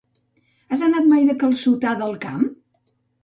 Has anat mai de calçotada al camp?